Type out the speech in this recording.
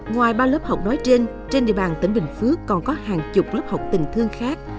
ngoài ba lớp học nói trên trên địa bàn tỉnh bình phước còn có hàng chục lớp học tình thương khác